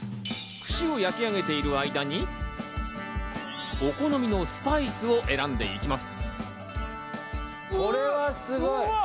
串を焼き上げている間にお好みのスパイスを選んでいきます。